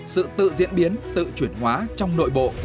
sự tự diễn biến tự chuyển hóa trong nội bộ